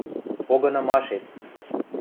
— Погынымашет.